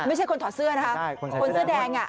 ไม่ใช่คนถอดเสื้อนะคะคนเสื้อแดง